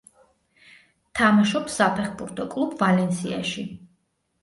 თამაშობს საფეხბურთო კლუბ „ვალენსიაში“.